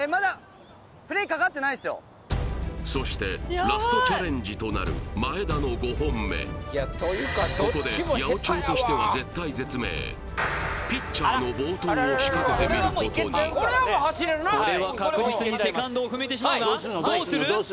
そしてラストチャレンジとなる前田の５本目ここでピッチャーの暴投を仕掛けてみることにこれは確実にセカンドを踏めてしまうがどうする？